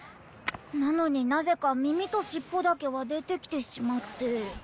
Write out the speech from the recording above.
なのになぜか耳と尻尾だけは出てきてしまって。